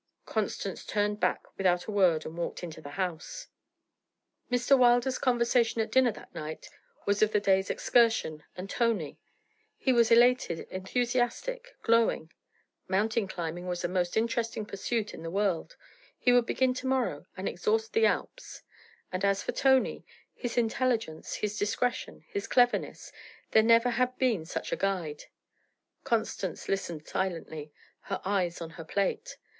Constance turned back without a word and walked into the house. Mr. Wilder's conversation at dinner that night was of the day's excursion and Tony. He was elated, enthusiastic, glowing. Mountain climbing was the most interesting pursuit in the world; he would begin to morrow and exhaust the Alps. And as for Tony his intelligence, his discretion, his cleverness there never had been such a guide. Constance listened silently, her eyes on her plate.